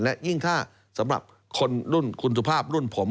และยิ่งถ้าสำหรับคนรุ่นคุณสุภาพรุ่นผม